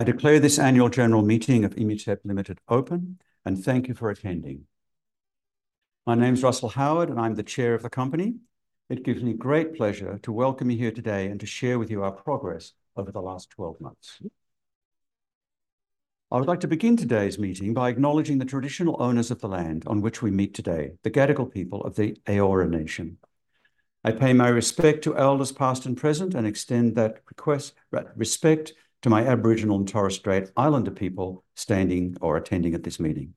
I declare this annual general meeting of Immutep Limited open, and thank you for attending. My name is Russell Howard, and I'm the chair of the company. It gives me great pleasure to welcome you here today and to share with you our progress over the last 12 months. I would like to begin today's meeting by acknowledging the traditional owners of the land on which we meet today, the Gadigal people of the Eora Nation. I pay my respect to elders past and present and extend that respect to my Aboriginal and Torres Strait Islander people standing or attending at this meeting.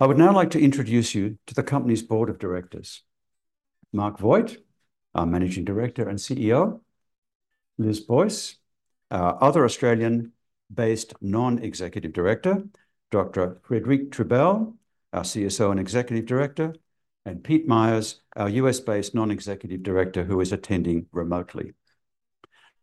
I would now like to introduce you to the company's board of directors: Marc Voigt, our Managing Director and CEO, Liz Boyce, our other Australian-based Non-Executive Director, Dr. Frédéric Triebel, our CSO and Executive Director, and Pete Meyers, our U.S.-based Non-Executive Director who is attending remotely.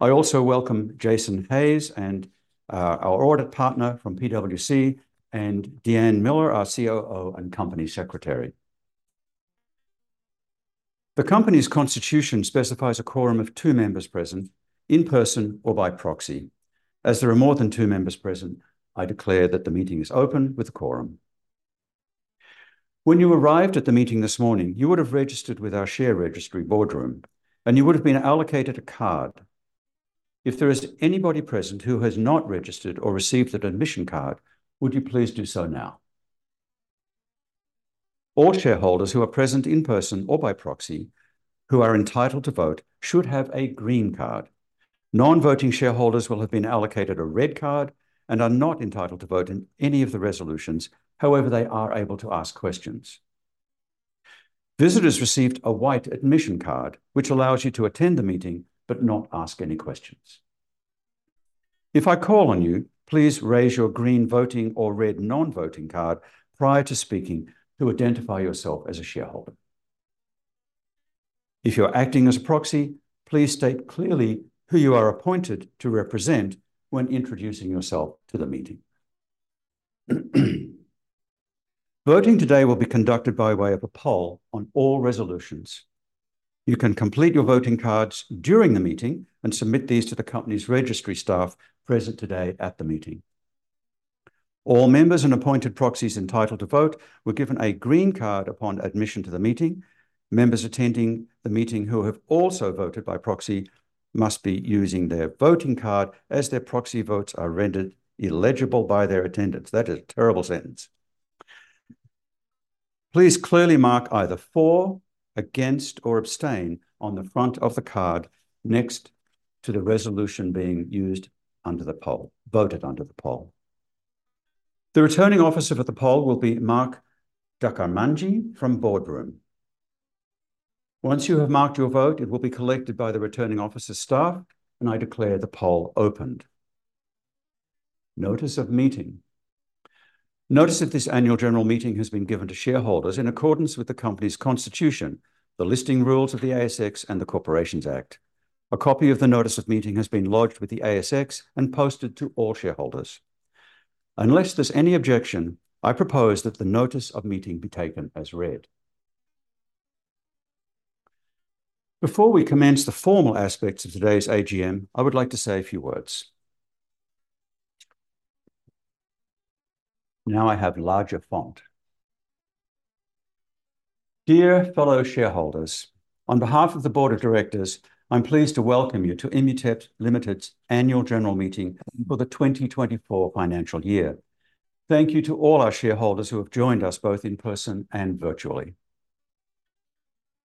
I also welcome Jason Hayes, our audit partner from PwC, and Deanne Miller, our COO and Company Secretary. The company's constitution specifies a quorum of two members present, in person or by proxy. As there are more than two members present, I declare that the meeting is open with a quorum. When you arrived at the meeting this morning, you would have registered with our share registry Boardroom, and you would have been allocated a card. If there is anybody present who has not registered or received an admission card, would you please do so now? All shareholders who are present in person or by proxy who are entitled to vote should have a green card. Non-voting shareholders will have been allocated a red card and are not entitled to vote in any of the resolutions. However, they are able to ask questions. Visitors received a white admission card, which allows you to attend the meeting but not ask any questions. If I call on you, please raise your green voting or red non-voting card prior to speaking to identify yourself as a shareholder. If you're acting as a proxy, please state clearly who you are appointed to represent when introducing yourself to the meeting. Voting today will be conducted by way of a poll on all resolutions. You can complete your voting cards during the meeting and submit these to the company's registry staff present today at the meeting. All members and appointed proxies entitled to vote were given a green card upon admission to the meeting. Members attending the meeting who have also voted by proxy must be using their voting card as their proxy votes are rendered illegible by their attendance. That is a terrible sentence. Please clearly mark either for, against, or abstain on the front of the card next to the resolution being used under the poll, voted under the poll. The returning officer for the poll will be Marc Duckmanton from Boardroom. Once you have marked your vote, it will be collected by the returning officer staff, and I declare the poll opened. Notice of Meeting. Notice of this annual general meeting has been given to shareholders in accordance with the company's constitution, the Listing Rules of the ASX, and the Corporations Act. A copy of the Notice of Meeting has been lodged with the ASX and posted to all shareholders. Unless there's any objection, I propose that the Notice of Meeting be taken as read. Before we commence the formal aspects of today's AGM, I would like to say a few words. Now I have larger font. Dear fellow shareholders, on behalf of the board of directors, I'm pleased to welcome you to Immutep Limited's annual general meeting for the 2024 financial year. Thank you to all our shareholders who have joined us both in person and virtually.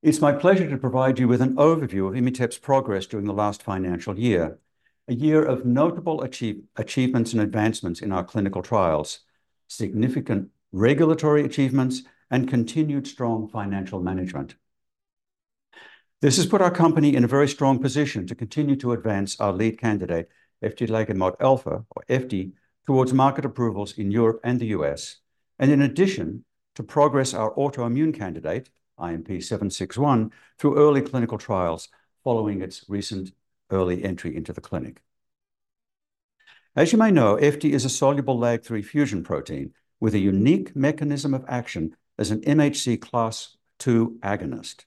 It's my pleasure to provide you with an overview of Immutep's progress during the last financial year, a year of notable achievements and advancements in our clinical trials, significant regulatory achievements, and continued strong financial management. This has put our company in a very strong position to continue to advance our lead candidate, eftilagimod alpha, or FD, towards market approvals in Europe and the US, and in addition to progress our autoimmune candidate, IMP761, through early clinical trials following its recent early entry into the clinic. As you may know, FD is a soluble LAG-3 fusion protein with a unique mechanism of action as an MHC Class II agonist.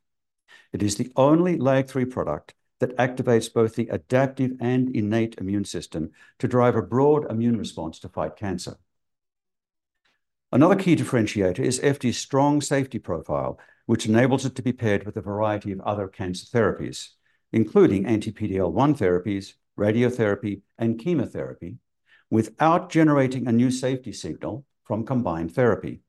It is the only LAG-3 product that activates both the adaptive and innate immune system to drive a broad immune response to fight cancer. Another key differentiator is FD's strong safety profile, which enables it to be paired with a variety of other cancer therapies, including anti-PD-L1 therapies, radiotherapy, and chemotherapy, without generating a new safety signal from combined therapy.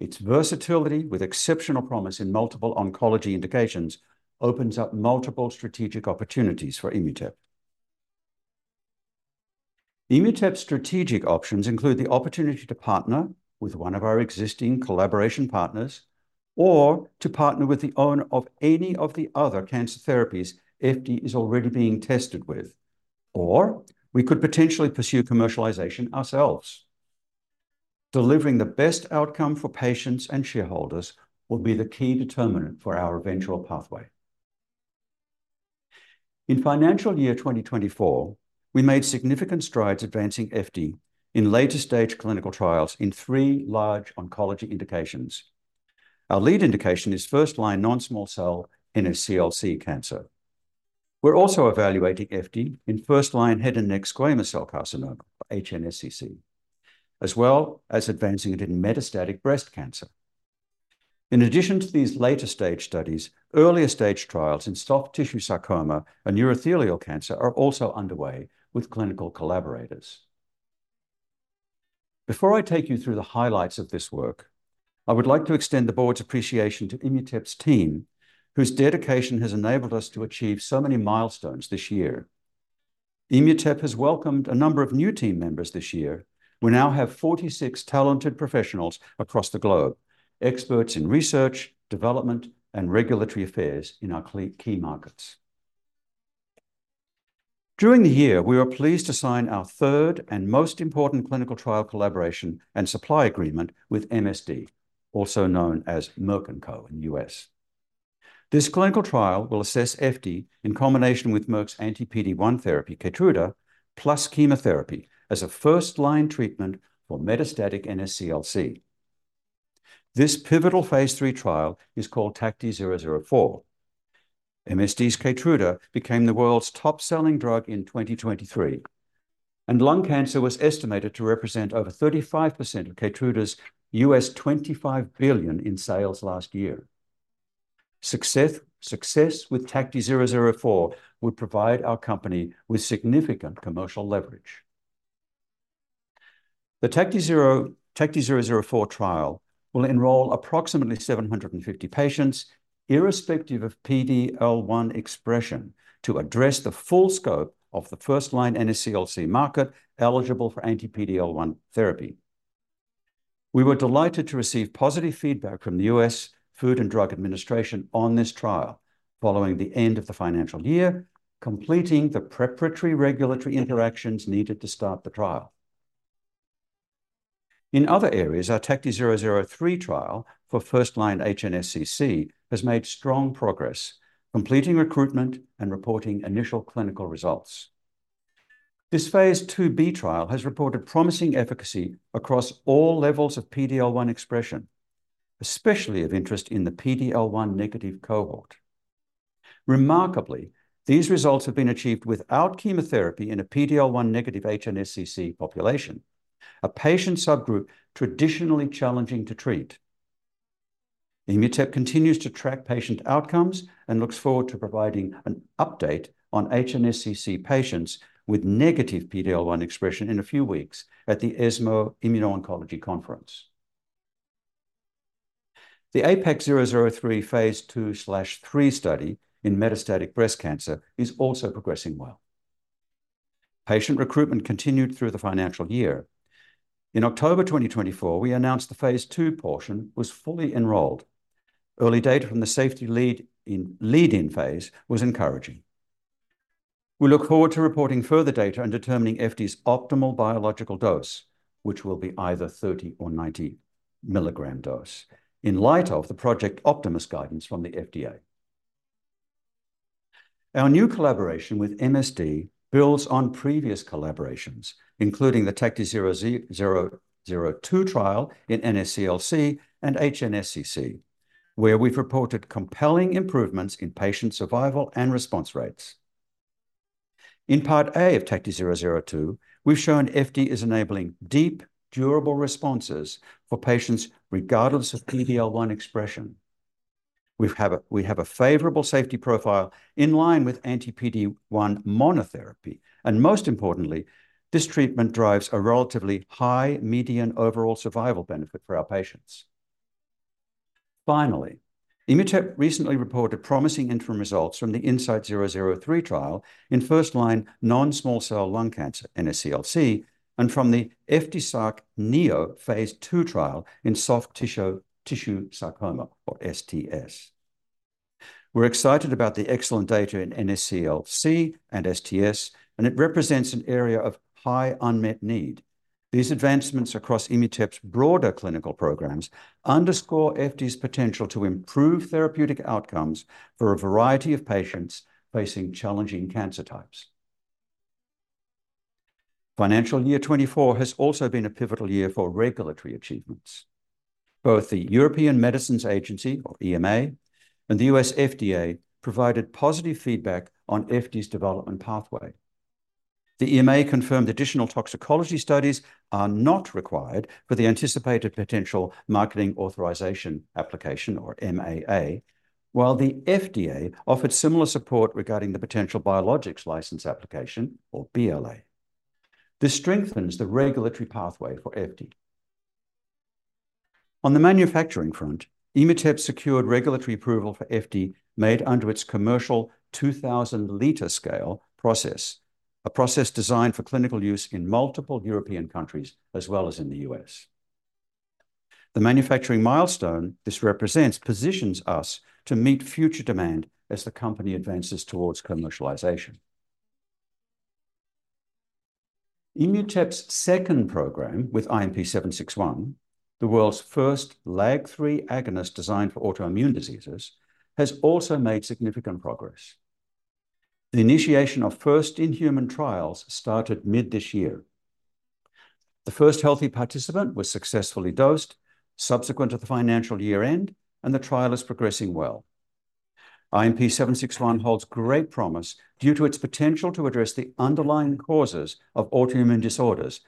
Its versatility, with exceptional promise in multiple oncology indications, opens up multiple strategic opportunities for Immutep. Immutep's strategic options include the opportunity to partner with one of our existing collaboration partners or to partner with the owner of any of the other cancer therapies FD is already being tested with, or we could potentially pursue commercialization ourselves. Delivering the best outcome for patients and shareholders will be the key determinant for our eventual pathway. In financial year 2024, we made significant strides advancing FD in later stage clinical trials in three large oncology indications. Our lead indication is first line non-small cell NSCLC cancer. We're also evaluating FD in first line head and neck squamous cell carcinoma, HNSCC, as well as advancing it in metastatic breast cancer. In addition to these later stage studies, earlier stage trials in soft tissue sarcoma and urothelial cancer are also underway with clinical collaborators. Before I take you through the highlights of this work, I would like to extend the board's appreciation to Immutep's team, whose dedication has enabled us to achieve so many milestones this year. Immutep has welcomed a number of new team members this year. We now have 46 talented professionals across the globe, experts in research, development, and regulatory affairs in our key markets. During the year, we were pleased to sign our third and most important clinical trial collaboration and supply agreement with MSD, also known as Merck & Co. in the US. This clinical trial will assess FD in combination with Merck's anti-PD-1 therapy, Keytruda, plus chemotherapy as a first line treatment for metastatic NSCLC. This pivotal phase III trial is called TACTI-004. MSD's Keytruda became the world's top selling drug in 2023, and lung cancer was estimated to represent over 35% of Keytruda's $25 billion in sales last year. Success with TACTI-004 would provide our company with significant commercial leverage. The TACTI-004 trial will enroll approximately 750 patients irrespective of PD-L1 expression to address the full scope of the first line NSCLC market eligible for anti-PD-L1 therapy. We were delighted to receive positive feedback from the U.S. Food and Drug Administration on this trial following the end of the financial year, completing the preparatory regulatory interactions needed to start the trial. In other areas, our TACTI-003 trial for first-line HNSCC has made strong progress, completing recruitment and reporting initial clinical results. This phase IIb trial has reported promising efficacy across all levels of PD-L1 expression, especially of interest in the PD-L1 negative cohort. Remarkably, these results have been achieved without chemotherapy in a PD-L1 negative HNSCC population, a patient subgroup traditionally challenging to treat. Immutep continues to track patient outcomes and looks forward to providing an update on HNSCC patients with negative PD-L1 expression in a few weeks at the ESMO Immuno-Oncology Conference. The APEX-003 phase II/III study in metastatic breast cancer is also progressing well. Patient recruitment continued through the financial year. In October 2024, we announced the phase II portion was fully enrolled. Early data from the safety lead-in phase was encouraging. We look forward to reporting further data and determining FD's optimal biological dose, which will be either 30 or 90 milligram dose, in light of the Project Optimus guidance from the FDA. Our new collaboration with MSD builds on previous collaborations, including the TACTI-002 trial in NSCLC and HNSCC, where we've reported compelling improvements in patient survival and response rates. In part A of TACTI-002, we've shown FD is enabling deep, durable responses for patients regardless of PD-L1 expression. We have a favorable safety profile in line with anti-PD-1 monotherapy, and most importantly, this treatment drives a relatively high median overall survival benefit for our patients. Finally, Immutep recently reported promising interim results from the INSITE-003 trial in first-line non-small cell lung cancer, NSCLC, and from the EFTISARC-NEO phase II trial in soft tissue sarcoma, or STS. We're excited about the excellent data in NSCLC and STS, and it represents an area of high unmet need. These advancements across Immutep's broader clinical programs underscore FD's potential to improve therapeutic outcomes for a variety of patients facing challenging cancer types. Financial year 2024 has also been a pivotal year for regulatory achievements. Both the European Medicines Agency, or EMA, and the U.S. FDA provided positive feedback on FD's development pathway. The EMA confirmed additional toxicology studies are not required for the anticipated potential marketing authorization application, or MAA, while the FDA offered similar support regarding the potential biologics license application, or BLA. This strengthens the regulatory pathway for FD. On the manufacturing front, Immutep secured regulatory approval for FD made under its commercial 2,000-liter scale process, a process designed for clinical use in multiple European countries as well as in the US. The manufacturing milestone this represents positions us to meet future demand as the company advances towards commercialization. Immutep's second program with IMP761, the world's first LAG-3 agonist designed for autoimmune diseases, has also made significant progress. The initiation of first-in-human trials started mid this year. The first healthy participant was successfully dosed, subsequent to the financial year end, and the trial is progressing well. IMP761 holds great promise due to its potential to address the underlying causes of autoimmune disorders,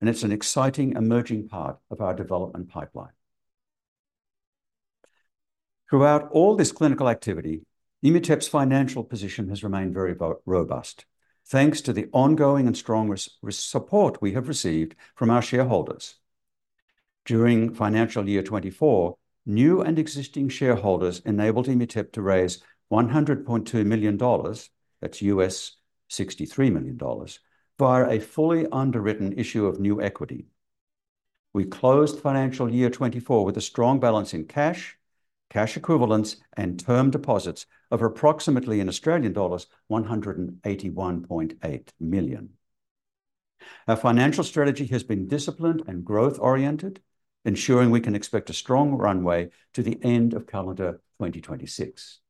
and it's an exciting emerging part of our development pipeline. Throughout all this clinical activity, Immutep's financial position has remained very robust, thanks to the ongoing and strong support we have received from our shareholders. During financial year 24, new and existing shareholders enabled Immutep to raise AUD 100.2 million, that's $63 million, via a fully underwritten issue of new equity. We closed financial year 24 with a strong balance in cash, cash equivalents, and term deposits of approximately Australian dollars 181.8 million. Our financial strategy has been disciplined and growth oriented, ensuring we can expect a strong runway to the end of calendar 2026.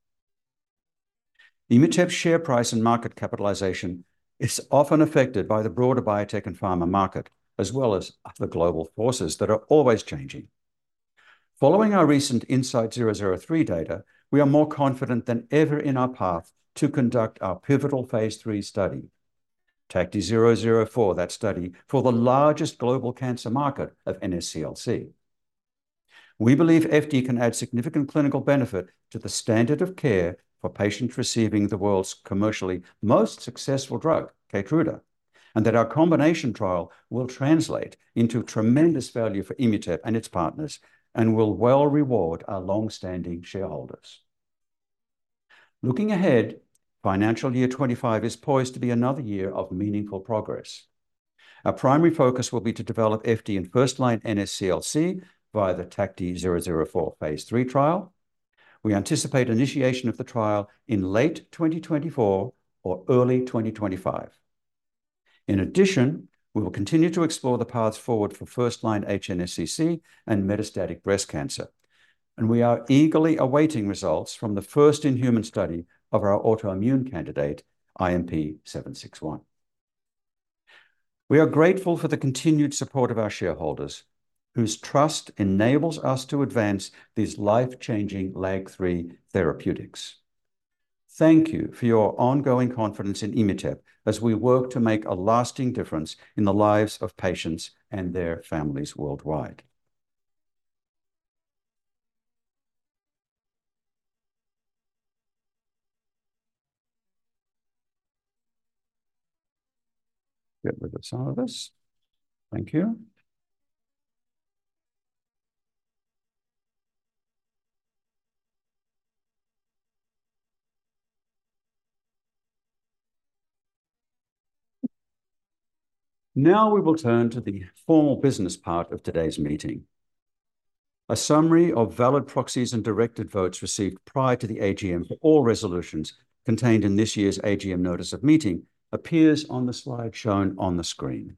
Immutep's share price and market capitalization is often affected by the broader biotech and pharma market, as well as the global forces that are always changing. Following our recent INSITE-003 data, we are more confident than ever in our path to conduct our pivotal phase III study, TACTI-004, that study for the largest global cancer market of NSCLC. We believe FD can add significant clinical benefit to the standard of care for patients receiving the world's commercially most successful drug, Keytruda, and that our combination trial will translate into tremendous value for Immutep and its partners and will well reward our longstanding shareholders. Looking ahead, financial year 2025 is poised to be another year of meaningful progress. Our primary focus will be to develop FD in first line NSCLC via the TACTI-004 phase III trial. We anticipate initiation of the trial in late 2024 or early 2025. In addition, we will continue to explore the paths forward for first-line HNSCC and metastatic breast cancer, and we are eagerly awaiting results from the first-in-human study of our autoimmune candidate, IMP761. We are grateful for the continued support of our shareholders, whose trust enables us to advance these life-changing LAG-3 therapeutics. Thank you for your ongoing confidence in Immutep as we work to make a lasting difference in the lives of patients and their families worldwide. Get rid of some of this. Thank you. Now we will turn to the formal business part of today's meeting. A summary of valid proxies and directed votes received prior to the AGM for all resolutions contained in this year's AGM notice of meeting appears on the slide shown on the screen.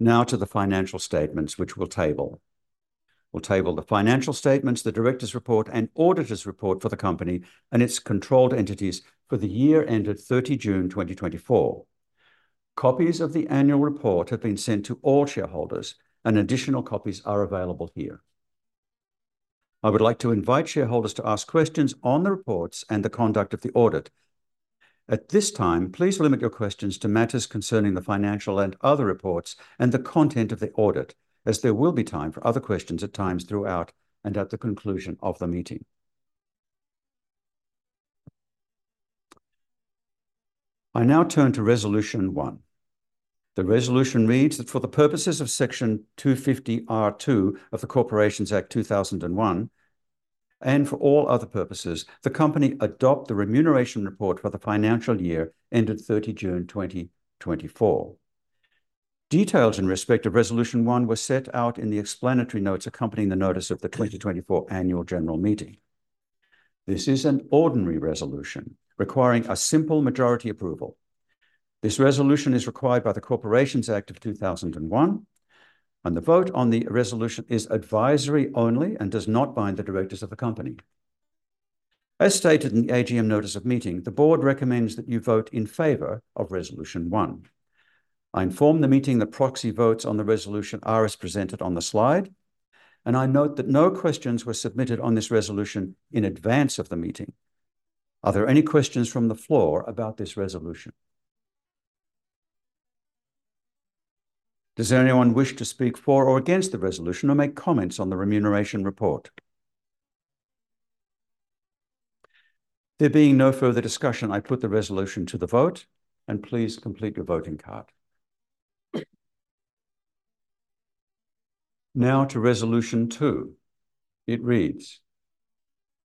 Now to the financial statements, which we'll table. We'll table the financial statements, the director's report, and auditor's report for the company and its controlled entities for the year ended 30 June 2024. Copies of the annual report have been sent to all shareholders, and additional copies are available here. I would like to invite shareholders to ask questions on the reports and the conduct of the audit. At this time, please limit your questions to matters concerning the financial and other reports and the content of the audit, as there will be time for other questions at times throughout and at the conclusion of the meeting. I now turn to resolution one. The resolution reads that for the purposes of section 250(r)(2) of the Corporations Act 2001 and for all other purposes, the company adopt the remuneration report for the financial year ended 30 June 2024. Details in respect of resolution one were set out in the explanatory notes accompanying the notice of the 2024 annual general meeting. This is an ordinary resolution requiring a simple majority approval. This resolution is required by the Corporations Act 2001, and the vote on the resolution is advisory only and does not bind the directors of the company. As stated in the AGM notice of meeting, the board recommends that you vote in favor of resolution one. I inform the meeting the proxy votes on the resolution are as presented on the slide, and I note that no questions were submitted on this resolution in advance of the meeting. Are there any questions from the floor about this resolution? Does anyone wish to speak for or against the resolution or make comments on the remuneration report? There being no further discussion, I put the resolution to the vote, and please complete your voting card. Now to resolution two. It reads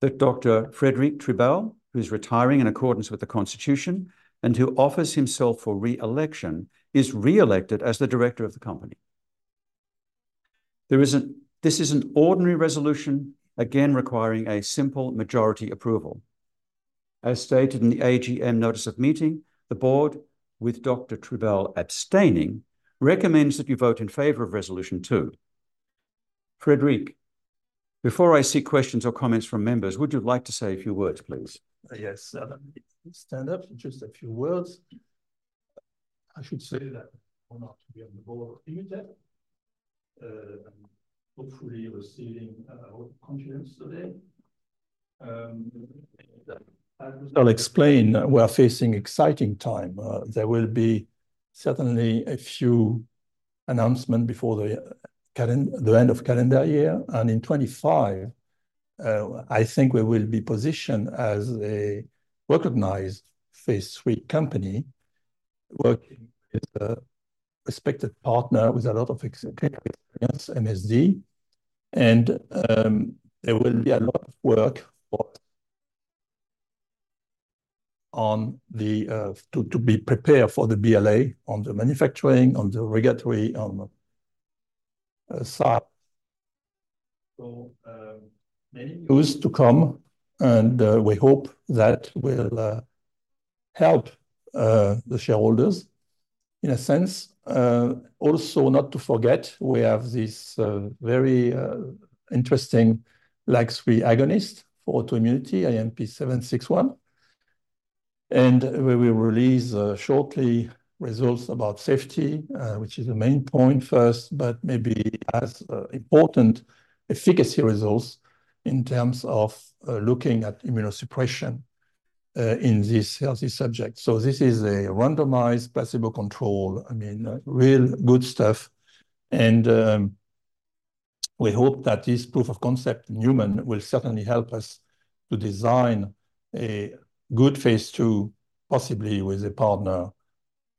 that Dr. Frédéric Triebel, who's retiring in accordance with the Constitution and who offers himself for re-election, is re-elected as the director of the company. This is an ordinary resolution, again requiring a simple majority approval. As stated in the AGM notice of meeting, the board, with Dr. Triebel abstaining, recommends that you vote in favor of resolution two. Frédéric, before I see questions or comments from members, would you like to say a few words, please? Yes. Stand up for just a few words. I should say that. Or not to be on the board of Immutep. Hopefully, you're receiving a lot of confidence today. I'll explain. We're facing exciting times. There will be certainly a few announcements before the end of the calendar year, and in 2025, I think we will be positioned as a recognized phase three company working with a respected partner with a lot of experience, MSD, and there will be a lot of work on the to be prepared for the BLA on the manufacturing, on the regulatory, on SAP. So many news to come, and we hope that will help the shareholders in a sense. Also, not to forget, we have this very interesting LAG-3 agonist for autoimmunity, IMP761, and we will release shortly results about safety, which is the main point first, but maybe as important efficacy results in terms of looking at immunosuppression in these healthy subjects. So this is a randomized placebo control, I mean, real good stuff, and we hope that this proof of concept in human will certainly help us to design a good phase two, possibly with a partner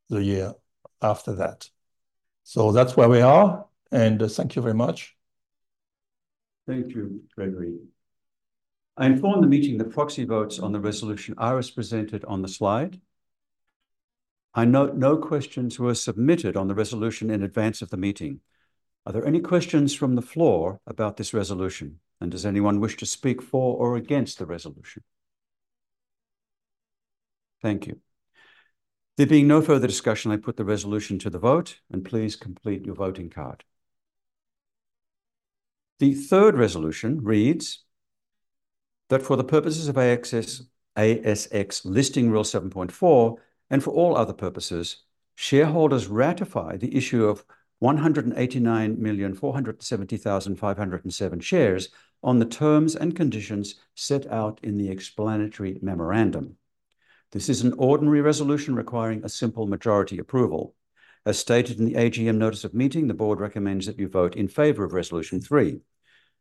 the year after that. So that's where we are, and thank you very much. Thank you, Frédéric. I inform the meeting the proxy votes on the resolution are as presented on the slide. I note no questions were submitted on the resolution in advance of the meeting. Are there any questions from the floor about this resolution, and does anyone wish to speak for or against the resolution? Thank you. There being no further discussion, I put the resolution to the vote, and please complete your voting card. The third resolution reads that for the purposes of ASX listing rule 7.4 and for all other purposes, shareholders ratify the issue of 189,470,507 shares on the terms and conditions set out in the explanatory memorandum. This is an ordinary resolution requiring a simple majority approval. As stated in the AGM notice of meeting, the board recommends that you vote in favor of resolution three,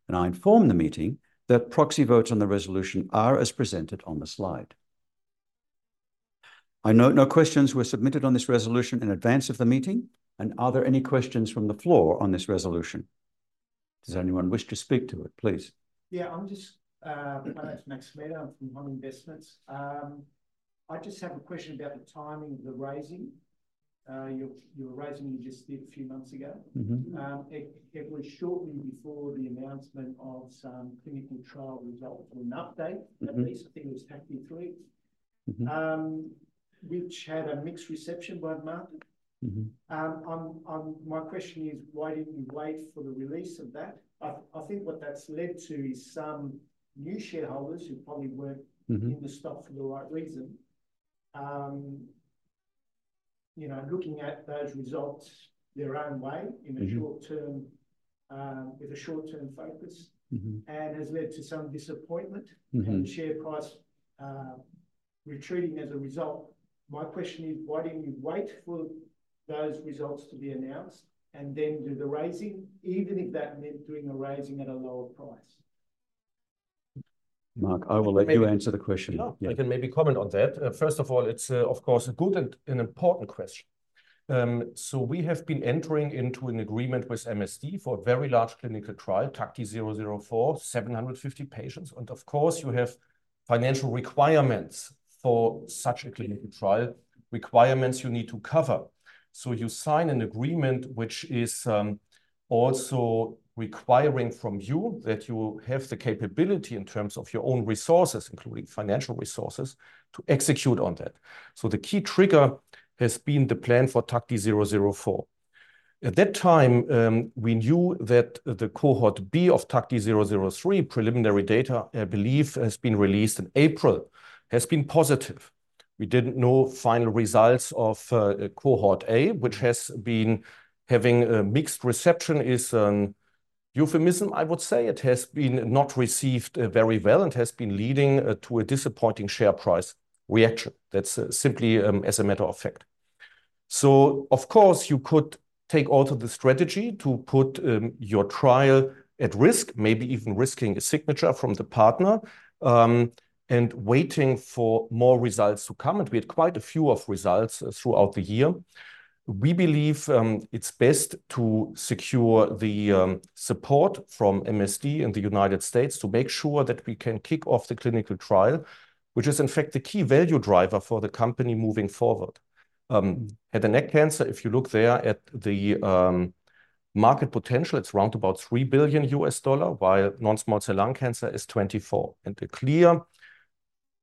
and I inform the meeting that proxy votes on the resolution are as presented on the slide. I note no questions were submitted on this resolution in advance of the meeting, and are there any questions from the floor on this resolution? Does anyone wish to speak to it, please? Yeah, I'm just Alex Maxwell from Home Investments. I just have a question about the timing of the raising. You were raising it just a few months ago. It was shortly before the announcement of some clinical trial results for an update, at least I think it was TACTI-3, which had a mixed reception by the market. My question is, why didn't you wait for the release of that? I think what that's led to is some new shareholders who probably weren't in the stock for the right reason, looking at those results their own way in a short-term with a short-term focus, and has led to some disappointment and share price retreating as a result. My question is, why didn't you wait for those results to be announced and then do the raising, even if that meant doing a raising at a lower price? Marc, I will let you answer the question. I can maybe comment on that. First of all, it's of course a good and important question. So we have been entering into an agreement with MSD for a very large clinical trial, TACTI-004, 750 patients, and of course you have financial requirements for such a clinical trial, requirements you need to cover. So you sign an agreement which is also requiring from you that you have the capability in terms of your own resources, including financial resources, to execute on that. So the key trigger has been the plan for TACTI-004. At that time, we knew that the cohort B of TACTI-003, preliminary data, I believe, has been released in April, has been positive. We didn't know final results of cohort A, which has been having a mixed reception, is an euphemism, I would say. It has been not received very well and has been leading to a disappointing share price reaction. That's simply as a matter of fact. Of course, you could take also the strategy to put your trial at risk, maybe even risking a signature from the partner and waiting for more results to come, and we had quite a few results throughout the year. We believe it's best to secure the support from MSD in the United States to make sure that we can kick off the clinical trial, which is in fact the key value driver for the company moving forward. Head and neck cancer, if you look there at the market potential, it's around about $3 billion, while non-small cell lung cancer is $24 billion, and the clear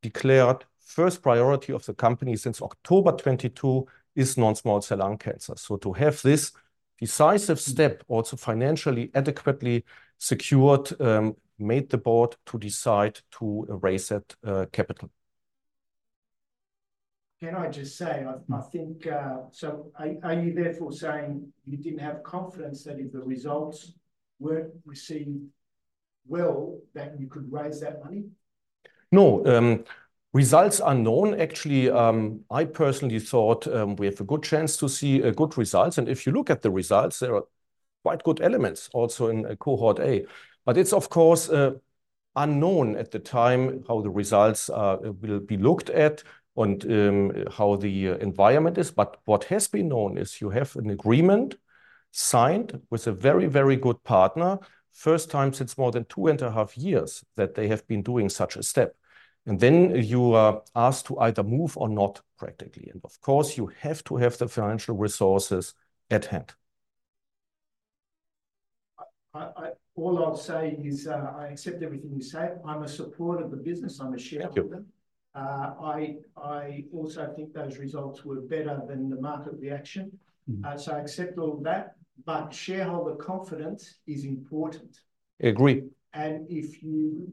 declared first priority of the company since October 2022 is non-small cell lung cancer. So to have this decisive step also financially adequately secured made the Board to decide to raise that capital. Can I just say, I think, so are you therefore saying you didn't have confidence that if the results weren't received well, that you could raise that money? No, results are known. Actually, I personally thought we have a good chance to see good results, and if you look at the results, there are quite good elements also in cohort A, but it's of course unknown at the time how the results will be looked at and how the environment is. But what has been known is you have an agreement signed with a very, very good partner, first time since more than two and a half years that they have been doing such a step, and then you are asked to either move or not practically, and of course you have to have the financial resources at hand. All I'll say is I accept everything you say. I'm a supporter of the business. I'm a shareholder. I also think those results were better than the market reaction, so I accept all that, but shareholder confidence is important. Agree. And if you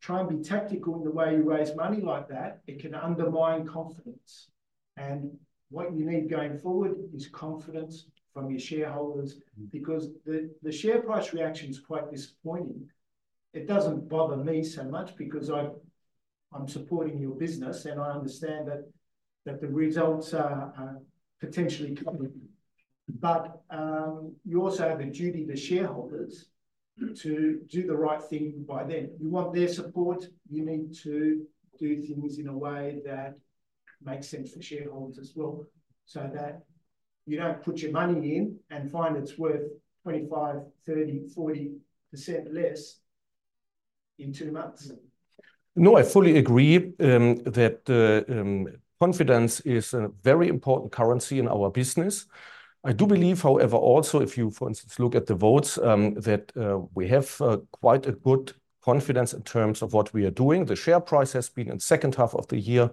try and be tactical in the way you raise money like that, it can undermine confidence, and what you need going forward is confidence from your shareholders because the share price reaction is quite disappointing. It doesn't bother me so much because I'm supporting your business and I understand that the results are potentially coming, but you also have a duty to shareholders to do the right thing by them. You want their support. You need to do things in a way that makes sense for shareholders as well so that you don't put your money in and find it's worth 25%, 30%, 40% less in two months. No, I fully agree that confidence is a very important currency in our business. I do believe, however, also if you, for instance, look at the votes, that we have quite a good confidence in terms of what we are doing. The share price has been in the second half of the year,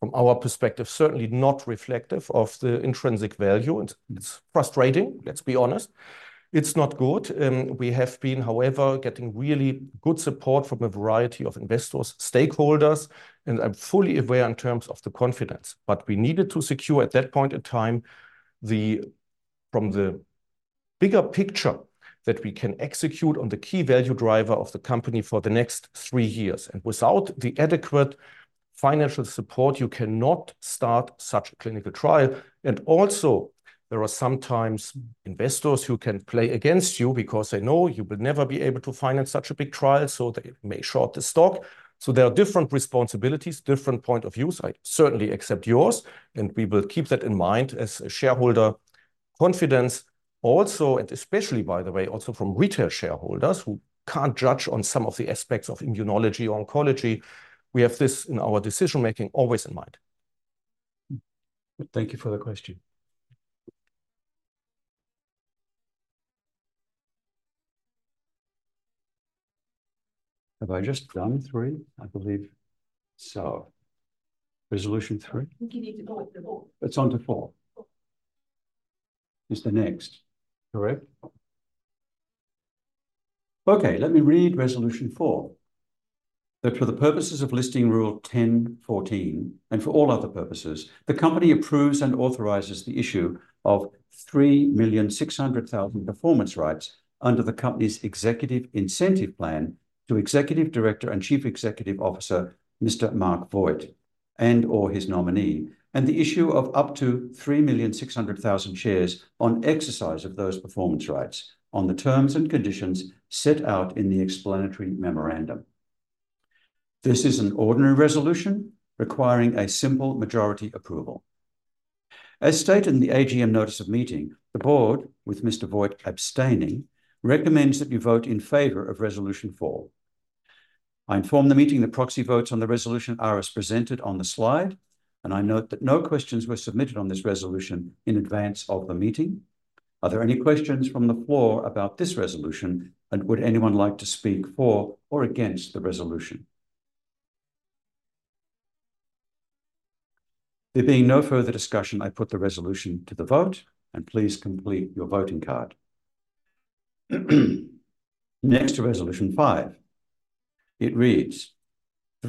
from our perspective, certainly not reflective of the intrinsic value. It's frustrating, let's be honest. It's not good. We have been, however, getting really good support from a variety of investors, stakeholders, and I'm fully aware in terms of the confidence, but we needed to secure at that point in time the bigger picture that we can execute on the key value driver of the company for the next three years, and without the adequate financial support, you cannot start such a clinical trial. And also, there are sometimes investors who can play against you because they know you will never be able to finance such a big trial, so they may short the stock. So there are different responsibilities, different points of view. I certainly accept yours, and we will keep that in mind as a shareholder. Confidence also, and especially, by the way, also from retail shareholders who can't judge on some of the aspects of immunology or oncology. We have this in our decision-making always in mind. Thank you for the question. Have I just done three, I believe? So resolution three? You need to go with the four. It's on the four. It's the next. Correct. Okay, let me read resolution four. That for the purposes of Listing Rule 10.14 and for all other purposes, the company approves and authorizes the issue of 3,600,000 performance rights under the company's executive incentive plan to Executive Director and Chief Executive Officer, Mr. Marc Voigt, and/or his nominee, and the issue of up to 3,600,000 shares on exercise of those performance rights on the terms and conditions set out in the explanatory memorandum. This is an ordinary resolution requiring a simple majority approval. As stated in the AGM notice of meeting, the board, with Mr. Voigt abstaining, recommends that you vote in favor of resolution four. I inform the meeting the proxy votes on the resolution are as presented on the slide, and I note that no questions were submitted on this resolution in advance of the meeting. Are there any questions from the floor about this resolution, and would anyone like to speak for or against the resolution? There being no further discussion, I put the resolution to the vote, and please complete your voting card. Next to resolution five, it reads,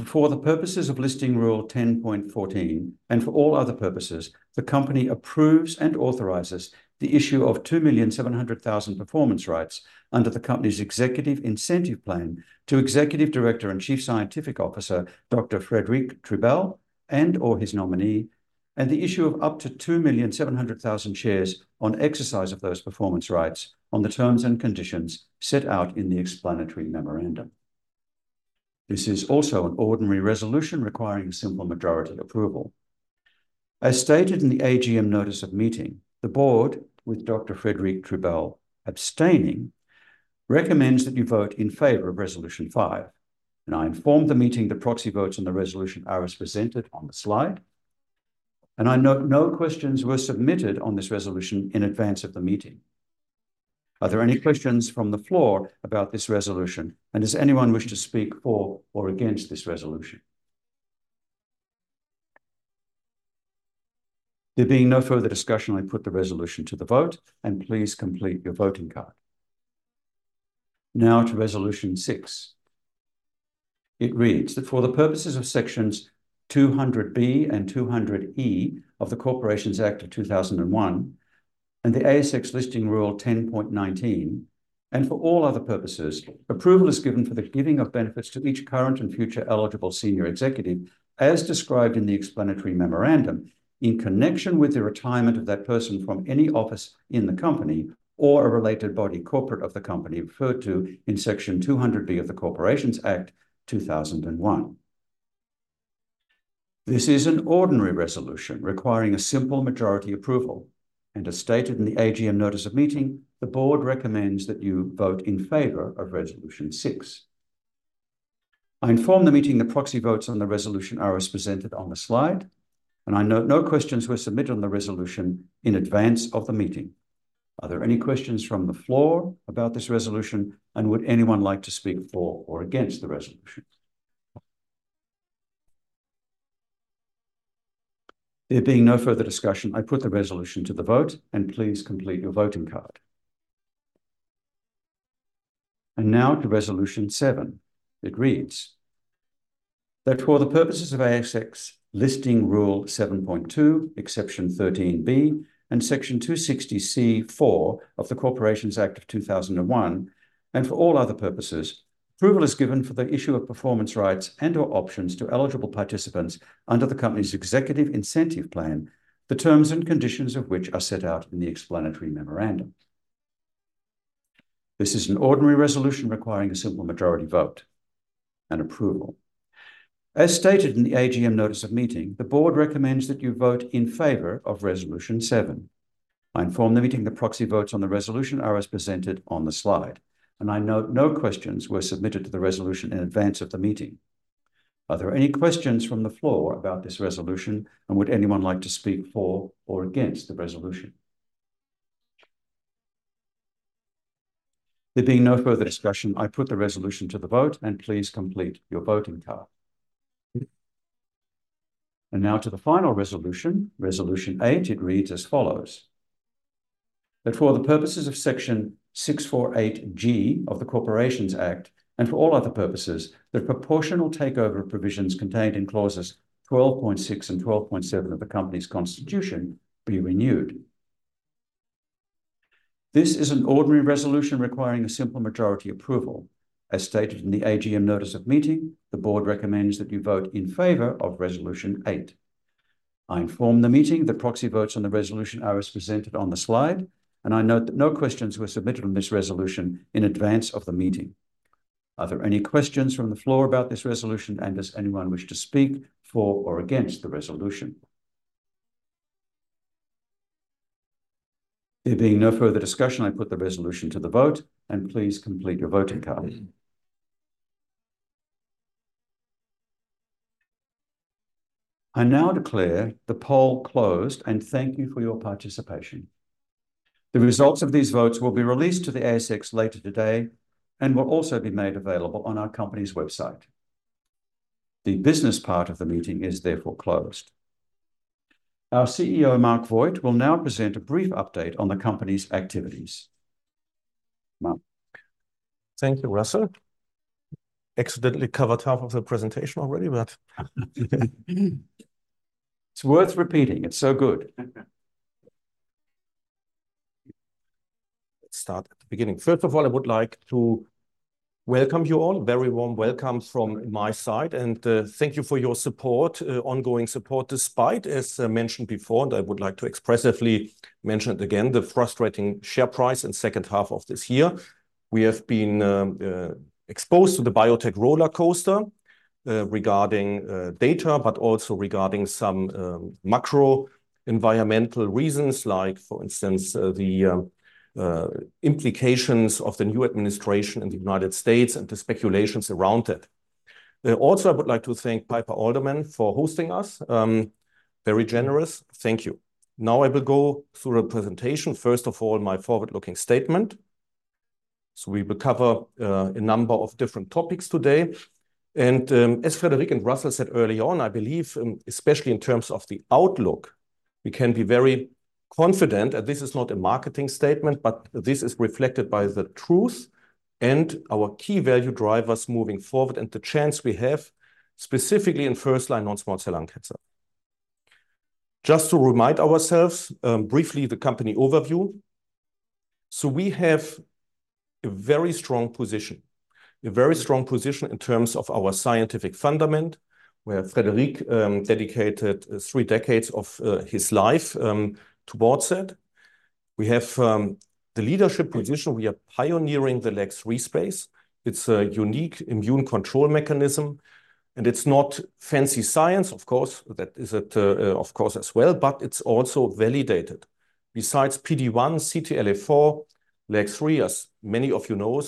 for the purposes of Listing Rule 10.14 and for all other purposes, the company approves and authorizes the issue of 2,700,000 performance rights under the company's executive incentive plan to Executive Director and Chief Scientific Officer, Dr. Frédéric Triebel and/or his nominee, and the issue of up to 2,700,000 shares on exercise of those performance rights on the terms and conditions set out in the explanatory memorandum. This is also an ordinary resolution requiring a simple majority approval. As stated in the AGM notice of meeting, the board, with Dr. Frédéric Triebel abstaining, recommends that you vote in favor of resolution five, and I inform the meeting the proxy votes on the resolution are as presented on the slide, and I note no questions were submitted on this resolution in advance of the meeting. Are there any questions from the floor about this resolution, and does anyone wish to speak for or against this resolution? There being no further discussion, I put the resolution to the vote, and please complete your voting card. Now to resolution six. It reads that for the purposes of sections 200B and 200E of the Corporations Act 2001 and the ASX Listing Rule 10.19 and for all other purposes, approval is given for the giving of benefits to each current and future eligible senior executive as described in the explanatory memorandum in connection with the retirement of that person from any office in the company or a related body corporate of the company referred to in section 200B of the Corporations Act 2001. This is an ordinary resolution requiring a simple majority approval, and as stated in the AGM Notice of Meeting, the board recommends that you vote in favor of resolution six. I inform the meeting the proxy votes on the resolution are as presented on the slide, and I note no questions were submitted on the resolution in advance of the meeting. Are there any questions from the floor about this resolution, and would anyone like to speak for or against the resolution? There being no further discussion, I put the resolution to the vote, and please complete your voting card, and now to resolution seven. It reads that for the purposes of ASX listing rule 7.2, exception 13B, and section 260(c)(4) of the Corporations Act of 2001 and for all other purposes, approval is given for the issue of performance rights and/or options to eligible participants under the company's executive incentive plan, the terms and conditions of which are set out in the explanatory memorandum. This is an ordinary resolution requiring a simple majority vote and approval. As stated in the AGM notice of meeting, the board recommends that you vote in favor of resolution seven. I inform the meeting the proxy votes on the resolution Iris presented on the slide, and I note no questions were submitted to the resolution in advance of the meeting. Are there any questions from the floor about this resolution, and would anyone like to speak for or against the resolution? There being no further discussion, I put the resolution to the vote, and please complete your voting card. And now to the final resolution, resolution eight. It reads as follows. That for the purposes of section 648(g) of the Corporations Act and for all other purposes, the proportional takeover provisions contained in clauses 12.6 and 12.7 of the company's constitution be renewed. This is an ordinary resolution requiring a simple majority approval. As stated in the AGM notice of meeting, the board recommends that you vote in favor of resolution eight. I inform the meeting the proxy votes on the resolution Iris presented on the slide, and I note that no questions were submitted on this resolution in advance of the meeting. Are there any questions from the floor about this resolution, and does anyone wish to speak for or against the resolution? There being no further discussion, I put the resolution to the vote, and please complete your voting card. I now declare the poll closed and thank you for your participation. The results of these votes will be released to the ASX later today and will also be made available on our company's website. The business part of the meeting is therefore closed. Our CEO, Marc Voigt, will now present a brief update on the company's activities. Marc. Thank you, Russell. Accidentally covered half of the presentation already, but it's worth repeating. It's so good. Let's start at the beginning. First of all, I would like to welcome you all. Very warm welcome from my side, and thank you for your support, ongoing support despite, as mentioned before, and I would like to expressly mention it again, the frustrating share price in the second half of this year. We have been exposed to the biotech rollercoaster regarding data, but also regarding some macro-environmental reasons, like for instance, the implications of the new administration in the United States and the speculations around it. Also, I would like to thank Piper Alderman for hosting us. Very generous. Thank you. Now I will go through the presentation. First of all, my forward-looking statement so we will cover a number of different topics today. And as Frédéric and Russell said early on, I believe, especially in terms of the outlook, we can be very confident that this is not a marketing statement, but this is reflected by the truth and our key value drivers moving forward and the chance we have specifically in first-line non-small cell lung cancer. Just to remind ourselves briefly, the company overview. So we have a very strong position, a very strong position in terms of our scientific fundament, where Frédéric dedicated three decades of his life towards it. We have the leadership position. We are pioneering the LAG-3 space. It's a unique immune control mechanism, and it's not fancy science, of course. That is it, of course, as well, but it's also validated. Besides PD-1, CTLA-4, LAG-3, as many of you know,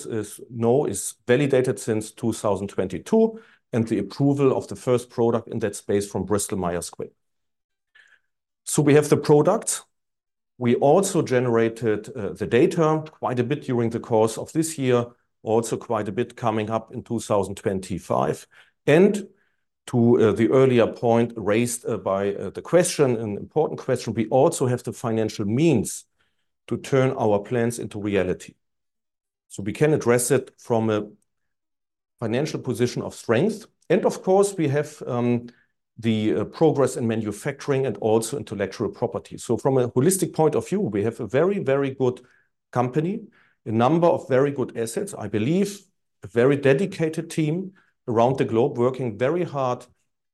is validated since 2022, and the approval of the first product in that space from Bristol-Myers Squibb. So we have the products. We also generated the data quite a bit during the course of this year, also quite a bit coming up in 2025, and to the earlier point raised by the question, an important question, we also have the financial means to turn our plans into reality, so we can address it from a financial position of strength, and of course, we have the progress in manufacturing and also intellectual property. So from a holistic point of view, we have a very, very good company, a number of very good assets, I believe, a very dedicated team around the globe working very hard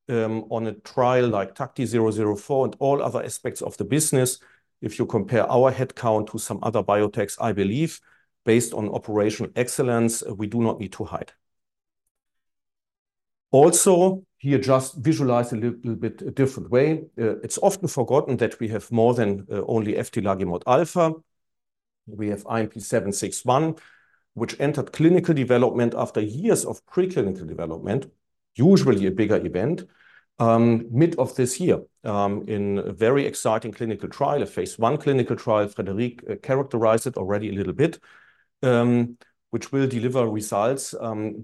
on a trial like TACTI-004 and all other aspects of the business. If you compare our headcount to some other biotechs, I believe, based on operational excellence, we do not need to hide. Also, here just visualize a little bit a different way. It's often forgotten that we have more than only eftilagimod alpha. We have IMP761, which entered clinical development after years of pre-clinical development, usually a bigger event, mid of this year in a very exciting clinical trial, a phase I clinical trial. Frédéric characterized it already a little bit, which will deliver results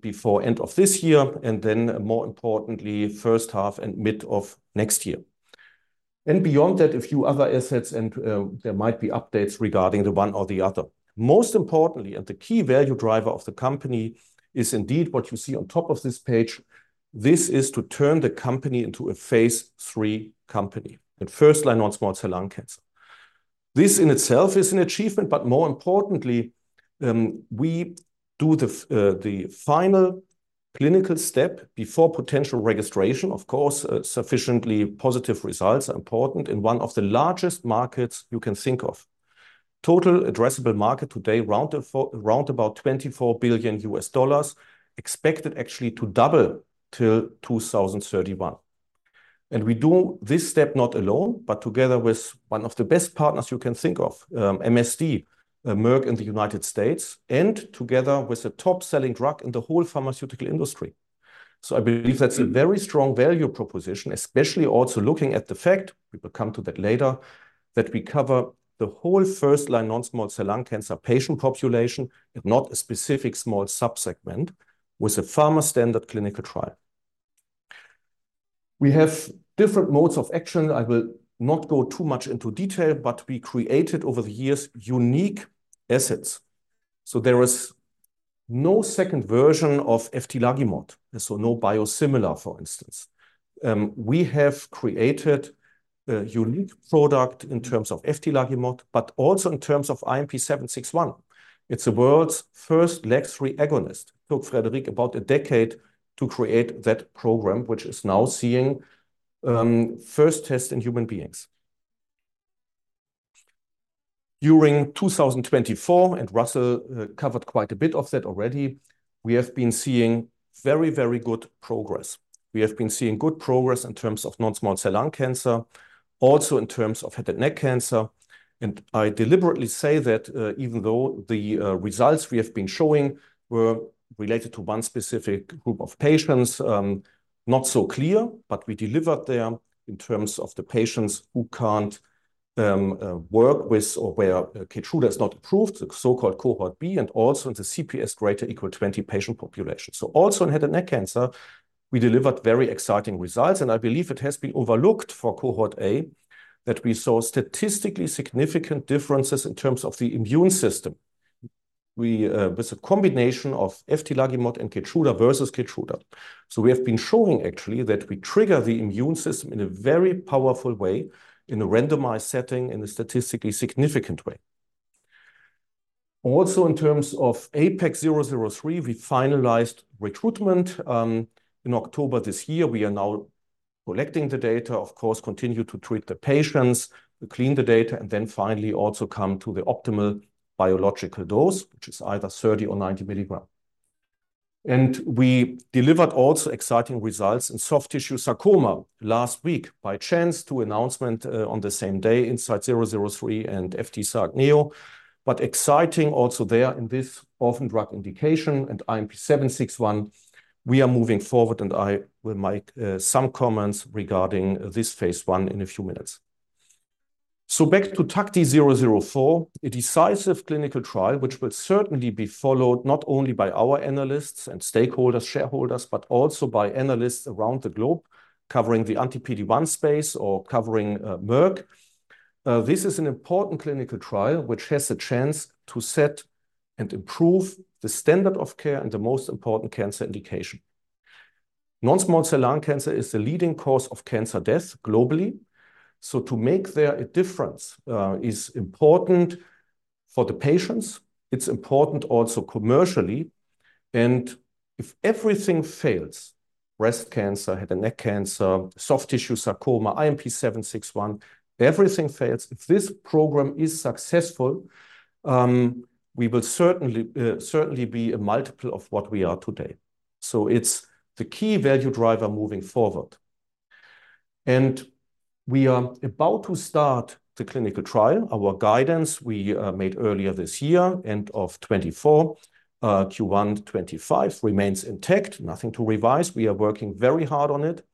before the end of this year and then, more importantly, first half and mid of next year, and beyond that, a few other assets, and there might be updates regarding the one or the other. Most importantly, and the key value driver of the company is indeed what you see on top of this page. This is to turn the company into a phase three company and first-line non-small cell lung cancer. This in itself is an achievement, but more importantly, we do the final clinical step before potential registration. Of course, sufficiently positive results are important in one of the largest markets you can think of. Total addressable market today, round about $24 billion, expected actually to double till 2031. And we do this step not alone, but together with one of the best partners you can think of, MSD, Merck in the United States, and together with the top-selling drug in the whole pharmaceutical industry. So I believe that's a very strong value proposition, especially also looking at the fact, we will come to that later, that we cover the whole first-line non-small cell lung cancer patient population and not a specific small subsegment with a pharma standard clinical trial. We have different modes of action. I will not go too much into detail, but we created over the years unique assets. So there is no second version of eftilagimod, so no biosimilar, for instance. We have created a unique product in terms of eftilagimod, but also in terms of IMP761. It's the world's first LAG-3 agonist. It took Frédéric about a decade to create that program, which is now seeing first tests in human beings. During 2024, and Russell covered quite a bit of that already, we have been seeing very, very good progress. We have been seeing good progress in terms of non-small cell lung cancer, also in terms of head and neck cancer. I deliberately say that even though the results we have been showing were related to one specific group of patients, not so clear, but we delivered there in terms of the patients who can't work with or where Keytruda is not approved, the so-called cohort B, and also in the CPS greater than or equal to 20 patient population. Also in head and neck cancer, we delivered very exciting results, and I believe it has been overlooked for cohort A that we saw statistically significant differences in terms of the immune system with a combination of eftilagimod and Keytruda versus Keytruda. We have been showing actually that we trigger the immune system in a very powerful way in a randomized setting in a statistically significant way. Also in terms of APEX-003, we finalized recruitment in October this year. We are now collecting the data, of course, continue to treat the patients, clean the data, and then finally also come to the optimal biological dose, which is either 30 or 90 milligrams. And we delivered also exciting results in soft tissue sarcoma last week by chance to announcement on the same day INSITE-003 and EFTISARC-NEO, but exciting also there in this orphan drug indication and IMP761. We are moving forward, and I will make some comments regarding this phase one in a few minutes. So back to TACTI-004, a decisive clinical trial which will certainly be followed not only by our analysts and stakeholders, shareholders, but also by analysts around the globe covering the anti-PD-1 space or covering Merck. This is an important clinical trial which has a chance to set and improve the standard of care and the most important cancer indication. Non-small cell lung cancer is the leading cause of cancer death globally. So to make a difference is important for the patients. It's important also commercially. And if everything fails, breast cancer, head and neck cancer, soft tissue sarcoma, IMP761, everything fails. If this program is successful, we will certainly be a multiple of what we are today. So it's the key value driver moving forward. And we are about to start the clinical trial. Our guidance we made earlier this year, end of 2024, Q1 2025 remains intact. Nothing to revise. We are working very hard on it.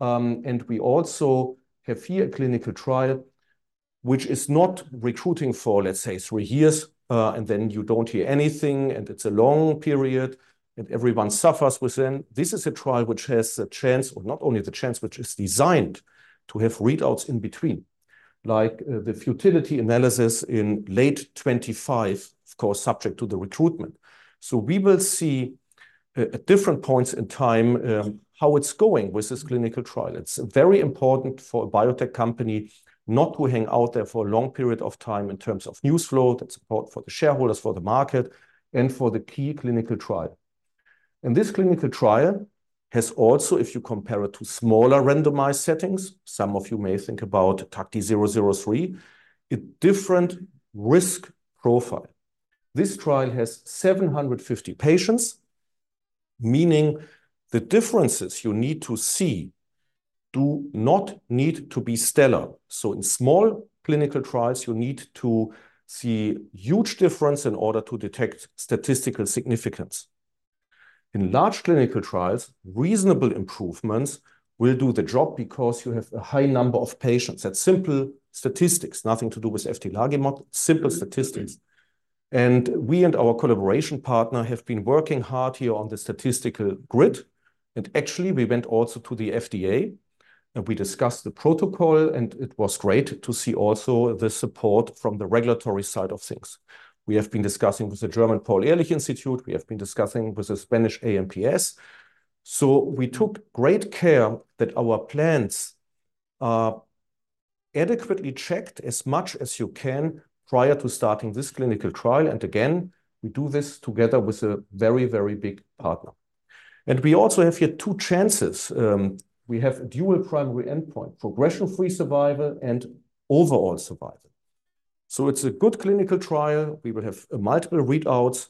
And we also have here a clinical trial which is not recruiting for, let's say, three years, and then you don't hear anything, and it's a long period, and everyone suffers within. This is a trial which has a chance, or not only the chance, which is designed to have readouts in between, like the futility analysis in late 2025, of course, subject to the recruitment, so we will see at different points in time how it's going with this clinical trial. It's very important for a biotech company not to hang out there for a long period of time in terms of news flow that's important for the shareholders, for the market, and for the key clinical trial, and this clinical trial has also, if you compare it to smaller randomized settings, some of you may think about TACTI-003, a different risk profile. This trial has 750 patients, meaning the differences you need to see do not need to be stellar, so in small clinical trials, you need to see huge difference in order to detect statistical significance. In large clinical trials, reasonable improvements will do the job because you have a high number of patients. That's simple statistics, nothing to do with eftilagimod, simple statistics. And we and our collaboration partner have been working hard here on the statistical grid. And actually, we went also to the FDA and we discussed the protocol, and it was great to see also the support from the regulatory side of things. We have been discussing with the German Paul-Ehrlich-Institut. We have been discussing with the Spanish AEMPS. So we took great care that our plans are adequately checked as much as you can prior to starting this clinical trial. And again, we do this together with a very, very big partner. And we also have here two chances. We have a dual primary endpoint, progression-free survival and overall survival. So it's a good clinical trial. We will have multiple readouts.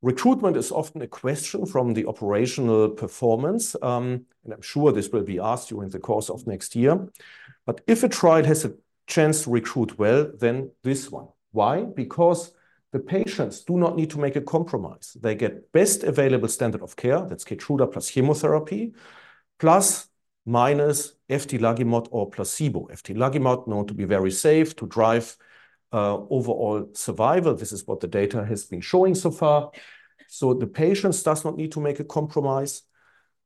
Recruitment is often a question from the operational performance, and I'm sure this will be asked during the course of next year, but if a trial has a chance to recruit well, then this one. Why? Because the patients do not need to make a compromise. They get best available standard of care. That's Keytruda plus chemotherapy, plus minus eftilagimod or placebo. Eftilagimod known to be very safe to drive overall survival. This is what the data has been showing so far, so the patients do not need to make a compromise.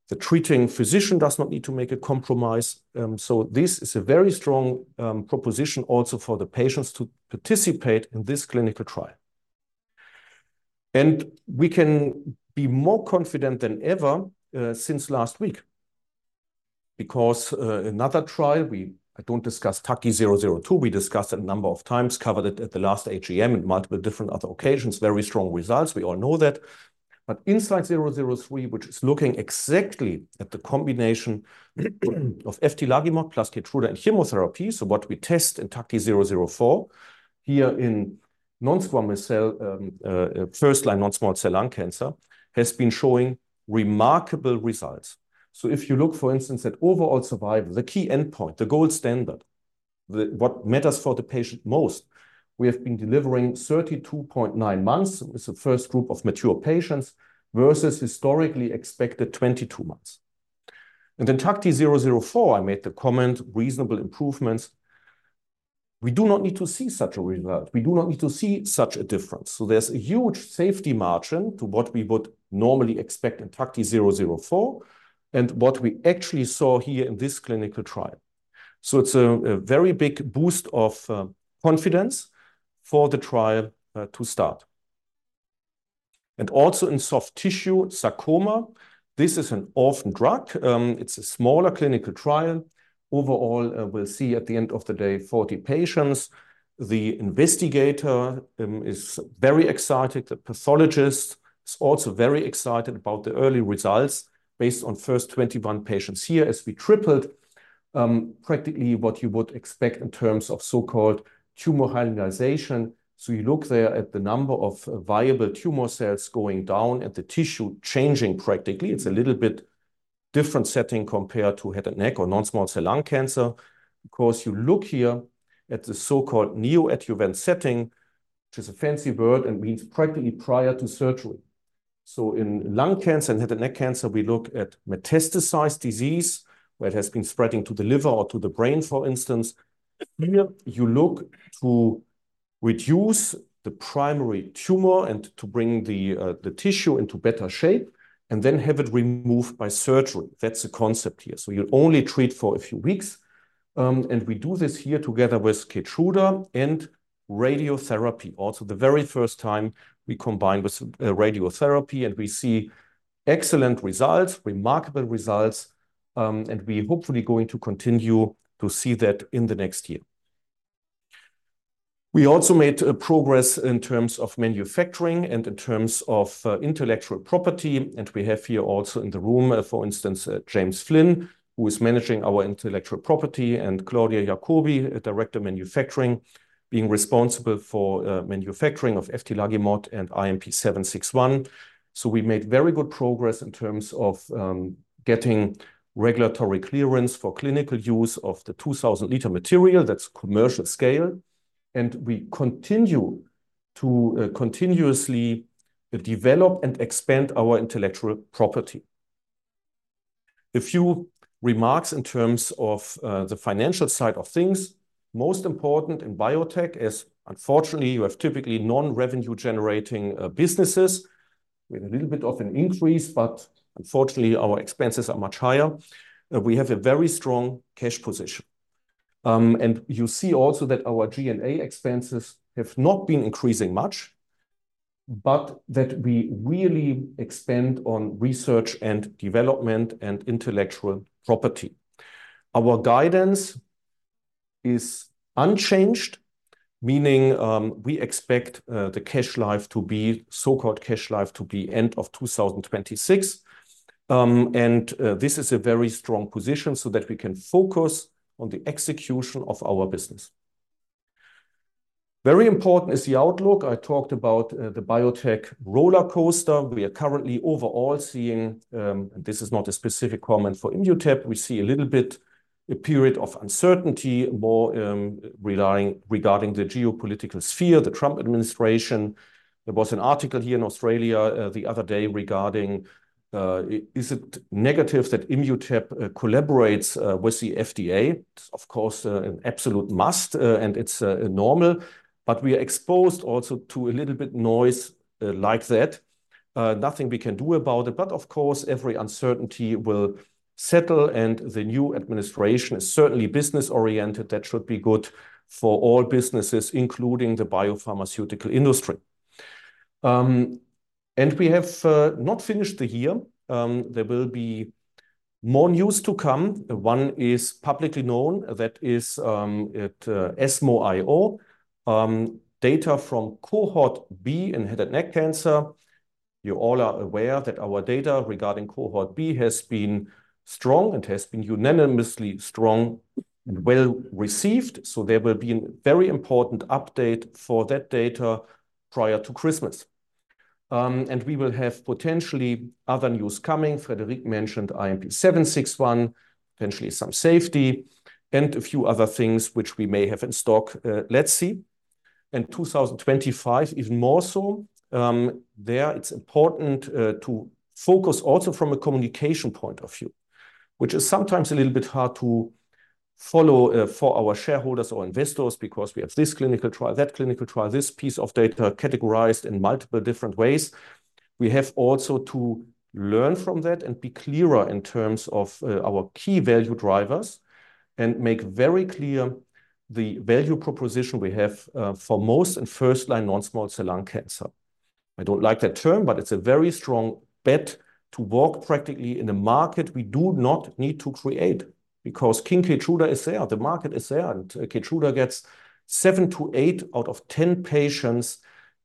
The treating physician does not need to make a compromise, so this is a very strong proposition also for the patients to participate in this clinical trial. We can be more confident than ever since last week because another trial, I don't discuss TACTI-002, we discussed a number of times, covered it at the last AGM and multiple different other occasions, very strong results. We all know that. INSITE-003, which is looking exactly at the combination of eftilagimod plus Keytruda and chemotherapy, so what we test in TACTI-004 here in non-small cell first-line non-small cell lung cancer has been showing remarkable results. If you look, for instance, at overall survival, the key endpoint, the gold standard, what matters for the patient most, we have been delivering 32.9 months with the first group of mature patients versus historically expected 22 months. In TACTI-004, I made the comment, reasonable improvements. We do not need to see such a result. We do not need to see such a difference. So there's a huge safety margin to what we would normally expect in TACTI-004 and what we actually saw here in this clinical trial. So it's a very big boost of confidence for the trial to start. And also in soft tissue sarcoma, this is an orphan drug. It's a smaller clinical trial. Overall, we'll see at the end of the day, 40 patients. The investigator is very excited. The pathologist is also very excited about the early results based on first 21 patients here as we tripled practically what you would expect in terms of so-called tumor hyalinization. So you look there at the number of viable tumor cells going down and the tissue changing practically. It's a little bit different setting compared to head and neck or non-small cell lung cancer. Of course, you look here at the so-called neoadjuvant setting, which is a fancy word and means practically prior to surgery, so in lung cancer and head and neck cancer, we look at metastasized disease where it has been spreading to the liver or to the brain, for instance. Here you look to reduce the primary tumor and to bring the tissue into better shape and then have it removed by surgery. That's the concept here, so you only treat for a few weeks, and we do this here together with Keytruda and radiotherapy. Also, the very first time we combine with radiotherapy and we see excellent results, remarkable results, and we're hopefully going to continue to see that in the next year. We also made progress in terms of manufacturing and in terms of intellectual property. We have here also in the room, for instance, James Flinn, who is managing our intellectual property, and Claudia Jacobi, a director of manufacturing, being responsible for manufacturing of eftilagimod and IMP761. We made very good progress in terms of getting regulatory clearance for clinical use of the 2,000-liter material. That's commercial scale. We continue to continuously develop and expand our intellectual property. A few remarks in terms of the financial side of things. Most important in biotech, as unfortunately you have typically non-revenue-generating businesses, we have a little bit of an increase, but unfortunately our expenses are much higher. We have a very strong cash position. You see also that our G&A expenses have not been increasing much, but that we really expand on research and development and intellectual property. Our guidance is unchanged, meaning we expect the cash life to be end of 2026. And this is a very strong position so that we can focus on the execution of our business. Very important is the outlook. I talked about the biotech rollercoaster. We are currently overall seeing, and this is not a specific comment for Immutep, we see a little bit a period of uncertainty more regarding the geopolitical sphere, the Trump administration. There was an article here in Australia the other day regarding, is it negative that Immutep collaborates with the FDA? It's of course an absolute must and it's normal, but we are exposed also to a little bit noise like that. Nothing we can do about it, but of course every uncertainty will settle and the new administration is certainly business-oriented. That should be good for all businesses, including the biopharmaceutical industry. And we have not finished the year. There will be more news to come. One is publicly known. That is at ESMO IO. Data from cohort B in head and neck cancer. You all are aware that our data regarding cohort B has been strong and has been unanimously strong and well received. So there will be a very important update for that data prior to Christmas. And we will have potentially other news coming. Frédéric mentioned IMP761, potentially some safety and a few other things which we may have in stock. Let's see. 2025, even more so. Therefore, it's important to focus also from a communication point of view, which is sometimes a little bit hard to follow for our shareholders or investors because we have this clinical trial, that clinical trial, this piece of data categorized in multiple different ways. We also have to learn from that and be clearer in terms of our key value drivers and make very clear the value proposition we have for MSD and first-line non-small cell lung cancer. I don't like that term, but it's a very strong bet to make practically in a market we do not need to create because with Keytruda it's there, the market is there, and Keytruda gets seven to eight out of 10 patients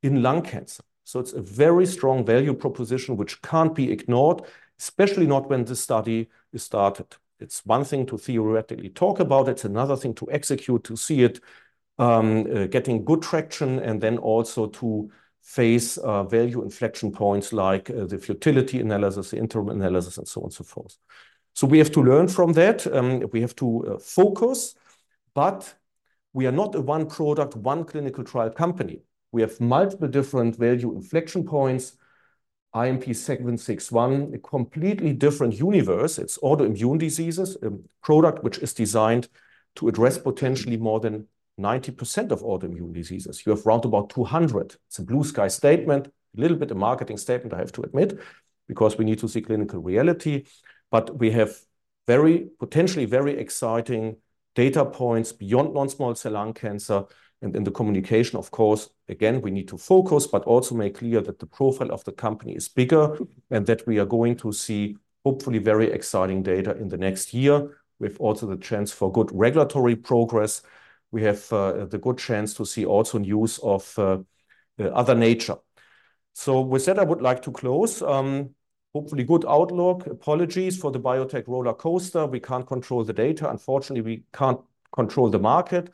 in lung cancer. So it's a very strong value proposition which can't be ignored, especially not when the study is started. It's one thing to theoretically talk about. It's another thing to execute, to see it getting good traction and then also to face value inflection points like the futility analysis, the interim analysis, and so on and so forth. So we have to learn from that. We have to focus, but we are not a one product, one clinical trial company. We have multiple different value inflection points. IMP761, a completely different universe. It's autoimmune diseases, a product which is designed to address potentially more than 90% of autoimmune diseases. You have round about 200. It's a blue sky statement, a little bit of marketing statement, I have to admit, because we need to see clinical reality. But we have very, potentially very exciting data points beyond non-small cell lung cancer. In the communication, of course, again, we need to focus, but also make clear that the profile of the company is bigger and that we are going to see hopefully very exciting data in the next year. We have also the chance for good regulatory progress. We have the good chance to see also news of other nature, so with that, I would like to close. Hopefully good outlook. Apologies for the biotech rollercoaster. We can't control the data. Unfortunately, we can't control the market.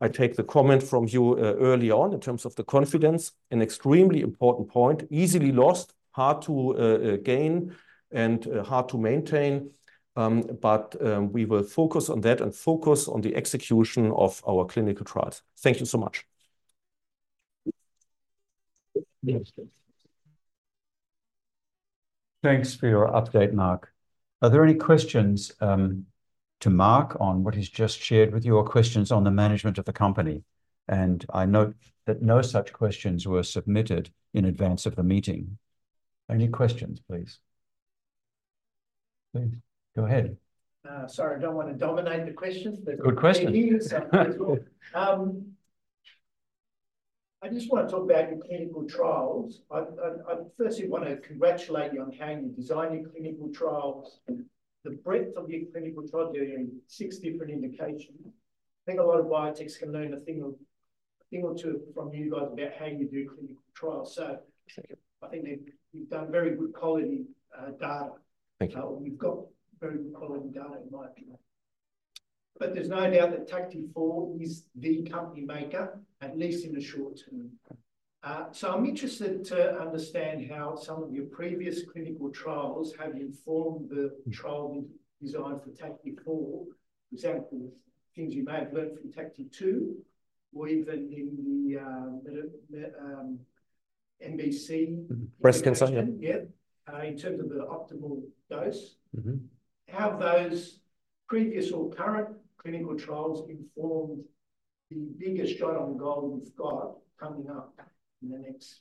I take the comment from you early on in terms of the confidence, an extremely important point, easily lost, hard to gain and hard to maintain, but we will focus on that and focus on the execution of our clinical trials. Thank you so much. Thanks for your update, Marc. Are there any questions to Marc on what he's just shared with you or questions on the management of the company? And I note that no such questions were submitted in advance of the meeting. Any questions, please? Please go ahead. Sorry, I don't want to dominate the questions. Good question. I just want to talk about your clinical trials. I firstly want to congratulate you on how you design your clinical trials, the breadth of your clinical trial doing six different indications. I think a lot of biotechs can learn a thing or two from you guys about how you do clinical trials. So I think you've done very good quality data. We've got very good quality data in my view. But there's no doubt that TACTI-004 is the company maker, at least in the short term. I'm interested to understand how some of your previous clinical trials have informed the trial design for TACTI-004, for example, things you may have learned from TACTI-002 or even in the MBC. Breast cancer, yeah. Yeah, in terms of the optimal dose. How have those previous or current clinical trials informed the biggest shot on goal you've got coming up in the next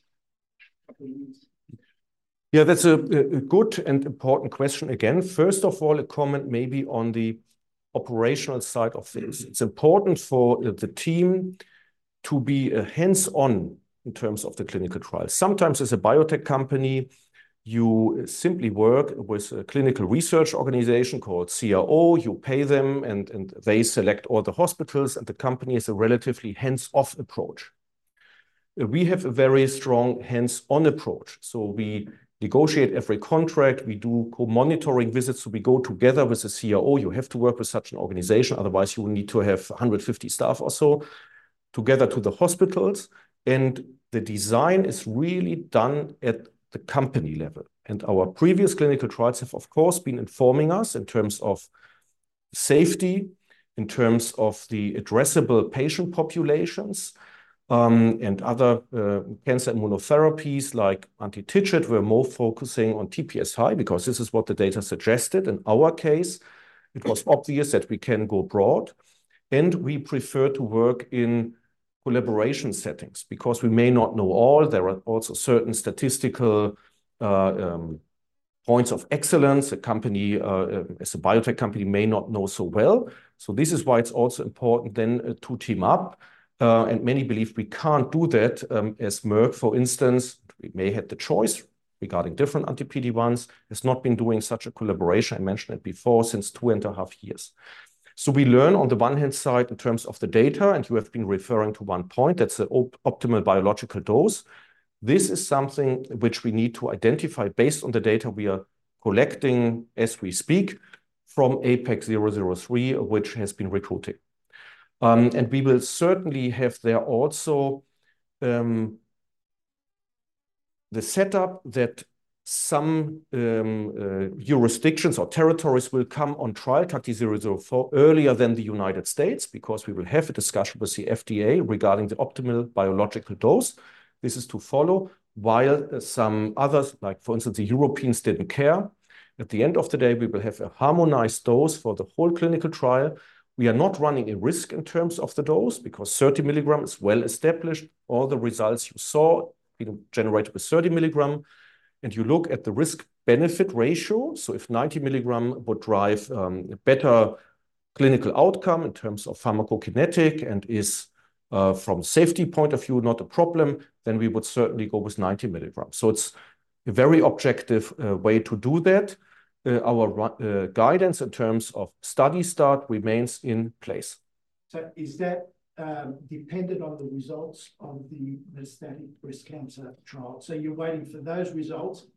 couple of years? Yeah, that's a good and important question again. First of all, a comment maybe on the operational side of this. It's important for the team to be hands-on in terms of the clinical trials. Sometimes as a biotech company, you simply work with a clinical research organization called CRO. You pay them and they select all the hospitals, and the company is a relatively hands-off approach. We have a very strong hands-on approach. So we negotiate every contract. We do co-monitoring visits. So we go together with the CRO. You have to work with such an organization. Otherwise, you would need to have 150 staff or so together to the hospitals. And the design is really done at the company level. And our previous clinical trials have, of course, been informing us in terms of safety, in terms of the addressable patient populations, and other cancer immunotherapies like anti-PD-1, we're more focusing on PD-L1 because this is what the data suggested. In our case, it was obvious that we can go broad. And we prefer to work in collaboration settings because we may not know all. There are also certain statistical points of excellence. A company, as a biotech company, may not know so well. So this is why it's also important then to team up. And many believe we can't do that as Merck, for instance. We may have the choice regarding different anti-PD-1s. It's not been doing such a collaboration. I mentioned it before since two and a half years. So we learn on the one hand side in terms of the data, and you have been referring to one point. That's the optimal biological dose. This is something which we need to identify based on the data we are collecting as we speak from APEX-003, which has been recruiting. And we will certainly have there also the setup that some jurisdictions or territories will come on trial TACTI-004 earlier than the United States because we will have a discussion with the FDA regarding the optimal biological dose. This is to follow while some others, like for instance, the Europeans, didn't care. At the end of the day, we will have a harmonized dose for the whole clinical trial. We are not running a risk in terms of the dose because 30 milligram is well established. All the results you saw generated with 30 milligram. And you look at the risk-benefit ratio. So if 90 milligram would drive a better clinical outcome in terms of pharmacokinetics and is, from a safety point of view, not a problem, then we would certainly go with 90 milligram. So it's a very objective way to do that. Our guidance in terms of study start remains in place. So is that dependent on the results of the metastatic breast cancer trial? So you're waiting for those results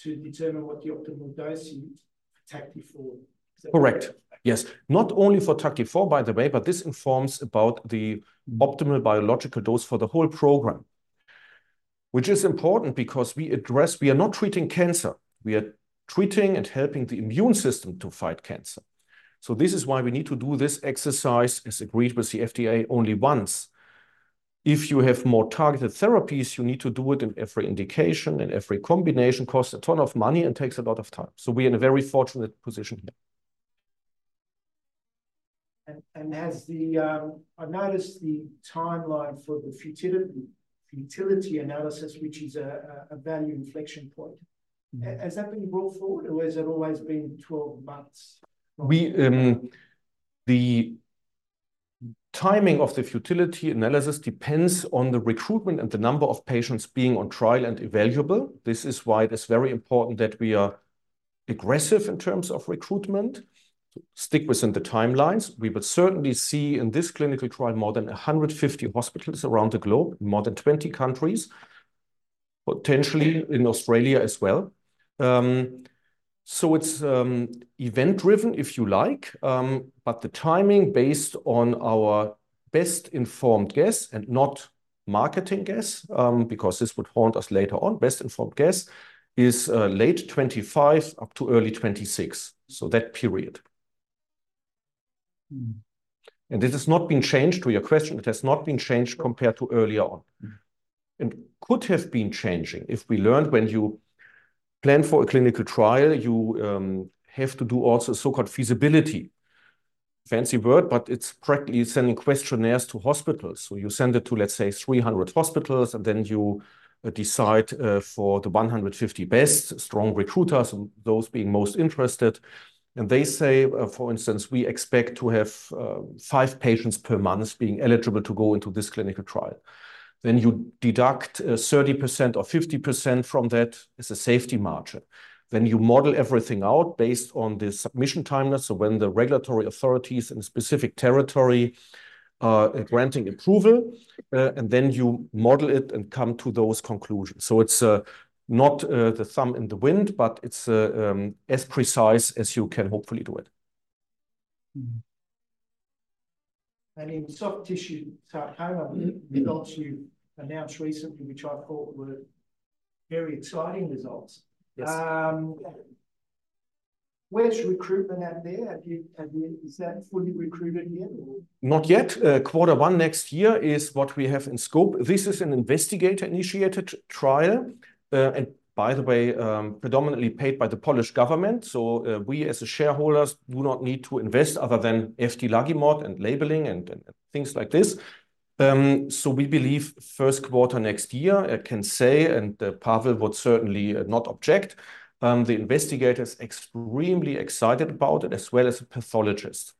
to determine what the optimal dose for TACTI-004? Correct. Yes. Not only for TACTI-004, by the way, but this informs about the optimal biological dose for the whole program, which is important because we address, we are not treating cancer. We are treating and helping the immune system to fight cancer. So this is why we need to do this exercise, as agreed with the FDA, only once. If you have more targeted therapies, you need to do it in every indication, and every combination costs a ton of money and takes a lot of time. So we are in a very fortunate position here. And, has the, I noticed the timeline for the futility analysis, which is a value inflection point, has that been brought forward or has it always been 12 months? The timing of the futility analysis depends on the recruitment and the number of patients being on trial and evaluable. This is why it is very important that we are aggressive in terms of recruitment. Stick within the timelines. We will certainly see in this clinical trial more than 150 hospitals around the globe, more than 20 countries, potentially in Australia as well. So it's event-driven, if you like. But the timing based on our best-informed guess and not marketing guess, because this would haunt us later on, best-informed guess is late 2025 up to early 2026. So that period. And this has not been changed to your question. It has not been changed compared to earlier on. And could have been changing if we learned when you plan for a clinical trial, you have to do also so-called feasibility. Fancy word, but it's practically sending questionnaires to hospitals. So you send it to, let's say, 300 hospitals, and then you decide for the 150 best strong recruiters, those being most interested. They say, for instance, we expect to have five patients per month being eligible to go into this clinical trial. Then you deduct 30% or 50% from that as a safety margin. Then you model everything out based on the submission timeline. So when the regulatory authorities in a specific territory are granting approval, and then you model it and come to those conclusions. So it's not the thumb in the wind, but it's as precise as you can hopefully do it. And in soft tissue, the highlight results you announced recently, which I thought were very exciting results. Where's recruitment at there? Is that fully recruited yet? Not yet. Quarter one next year is what we have in scope. This is an investigator-initiated trial. And by the way, predominantly paid by the Polish government. So we as shareholders do not need to invest other than eftilagimod and labeling and things like this. So we believe first quarter next year, I can say, and Paweł would certainly not object. The investigator is extremely excited about it, as well as a pathologist.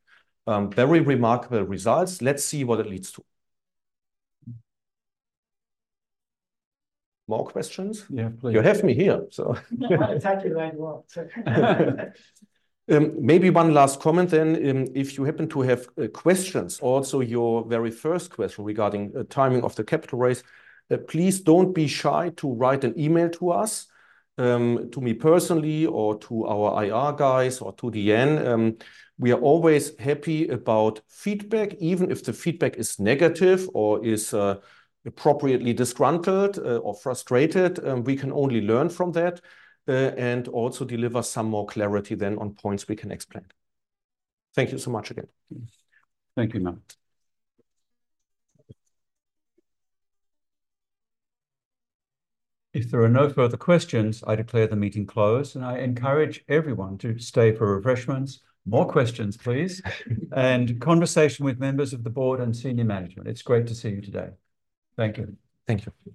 Very remarkable results. Let's see what it leads to. More questions? Yeah, please. You have me here, so. Yeah, exactly where you are. Maybe one last comment then. If you happen to have questions, also your very first question regarding timing of the capital raise, please don't be shy to write an email to us, to me personally or to our IR guys or to the team. We are always happy about feedback, even if the feedback is negative or is appropriately disgruntled or frustrated. We can only learn from that and also deliver some more clarity then on points we can explain. Thank you so much again. Thank you, Marc. If there are no further questions, I declare the meeting closed and I encourage everyone to stay for refreshments, more questions, please, and conversation with members of the board and senior management. It's great to see you today. Thank you. Thank you.